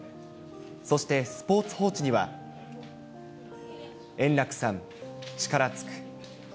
そしてスポーツ報知には、円楽さん、力尽く。